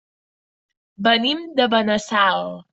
Venim de Benassal.